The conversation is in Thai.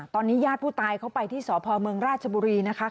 ตอนนี้ญาติผู้ตายเขาไปที่สพเมืองราชบุรีนะคะ